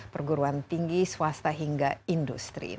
perguruan tinggi swasta hingga industri